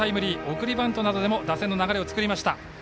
送りバントなどでも打線の流れを作りました。